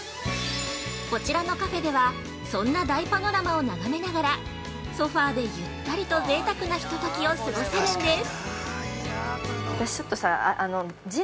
◆こちらのカフェでは、そんな大パノラマを眺めながら、ソファーで、ゆったりとぜいたくなひとときを過ごせるんです。